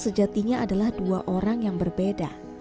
sejatinya adalah dua orang yang berbeda